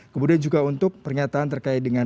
kemudian juga untuk pernyataan terkait dengan